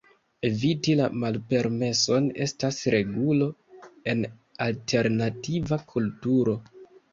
Eviti la malpermeson estas regulo en alternativa kulturo.